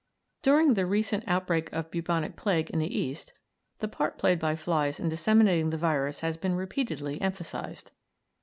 During the recent outbreak of bubonic plague in the East the part played by flies in disseminating the virus has been repeatedly emphasised.